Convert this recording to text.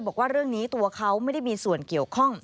บอกว่าเรื่องนี้ตัวเขาไม่ได้มีส่วนเกี่ยวข้อง